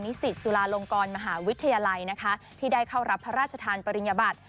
สิตจุฬาลงกรมหาวิทยาลัยนะคะที่ได้เข้ารับพระราชทานปริญญบัติ